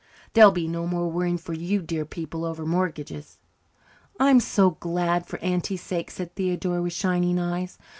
There'll be no more worrying for you dear people over mortgages." "I'm so glad for Auntie's sake," said Theodora, with shining eyes.